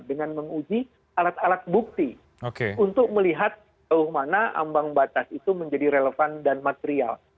dengan menguji alat alat bukti untuk melihat jauh mana ambang batas itu menjadi relevan dan material